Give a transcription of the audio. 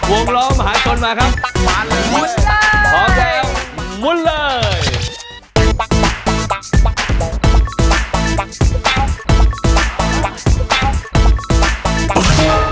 วงร้องมหาสนมาครับมุ่นเลยพอแก้วมุ่นเลย